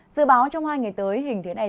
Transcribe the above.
dự báo trong hai ngày tới hình thế này